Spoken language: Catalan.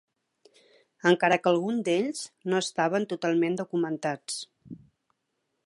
Encara que alguns d'ells no estaven totalment documentats.